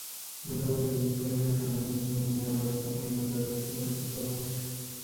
ধুলাবালি এড়িয়ে চলাসহ ঠান্ডাজনিত রোগ নিরাময়ে অধ্যাপক মোল্লার রয়েছে কয়েকটি পরামর্শ।